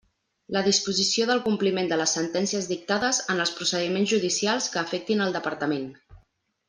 La disposició del compliment de les sentències dictades en els procediments judicials que afectin el Departament.